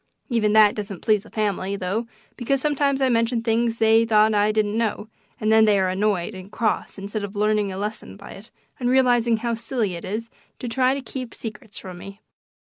Even that doesn't please the family, though, because sometimes I mention things they thought I didn't know, and then they are annoyed and cross instead of learning a lesson by it and realizing how silly it is to try to keep secrets from me.